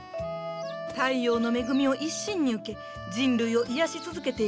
太陽の恵みを一身に受け人類を癒やし続けている葉っぱ。